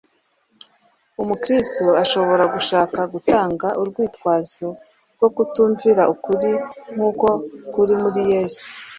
Umukristo ashobora gushaka gutanga urwitwazo rwo kutumvira ukuri nk’uko kuri muri Yesu;